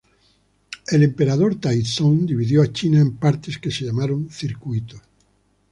El emperador Taizong dividió a China en partes que se llamaron "circuitos".